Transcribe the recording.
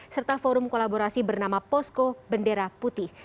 serta forum kolaborasi bernama posko bendera putih